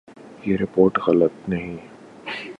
یہ رپورٹ غلط نہیں